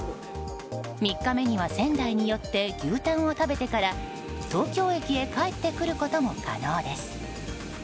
３日目には仙台に寄って牛タンを食べてから東京駅へ帰ってくることも可能です。